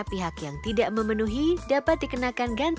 pihak yang tidak memenuhi dapat dikenakan ganti rugi atau tangwid